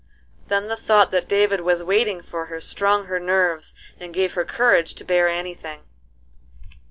Then the thought that David was waiting for her strung her nerves and gave her courage to bear any thing.